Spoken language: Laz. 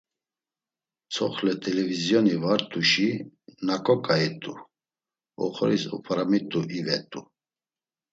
Tzoxle t̆elevizyoni var t̆uşi naǩo ǩai t̆u; oxoris op̌aramitu ivet̆u.